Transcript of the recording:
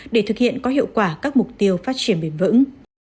để thực hiện có hiệu quả các mục tiêu phát triển bền vững